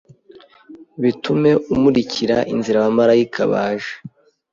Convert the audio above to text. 'Bitume umurikira inzira abamarayika baje